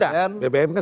bbm kan sebenarnya turun